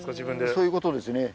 そういうことですね。